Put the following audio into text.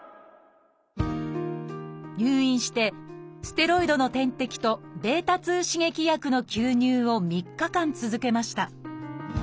入院して「ステロイドの点滴」と「β刺激薬の吸入」を３日間続けました。